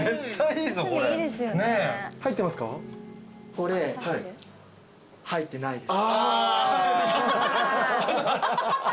これ入ってないです。